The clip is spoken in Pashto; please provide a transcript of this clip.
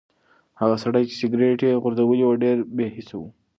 هغه سړی چې سګرټ یې غورځولی و ډېر بې حسه و.